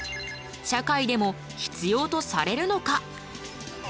社会でも必要とされるのか？